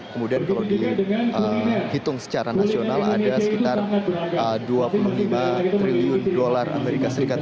kemudian kalau dihitung secara nasional ada sekitar dua puluh lima triliun dolar amerika serikat